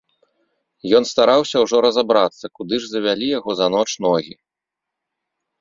Ён стараўся ўжо разабрацца, куды ж завялі яго за ноч ногі?